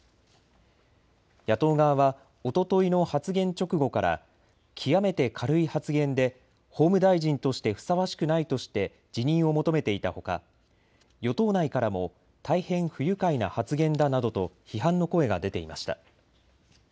野党側はおとといの発言直後から極めて軽い発言で法務大臣としてふさわしくないとして辞任を求めていたほか与党内からも大変不愉快な発言だなどと批判の声が出ていました。